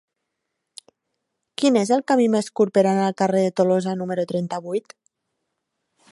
Quin és el camí més curt per anar al carrer de Tolosa número trenta-vuit?